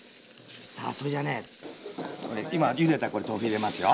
さあそれじゃあねこれ今ゆでたこれ豆腐入れますよ。